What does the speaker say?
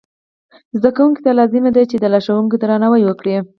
زده کوونکو ته لازمه ده چې د لارښوونکو درناوی وکړي.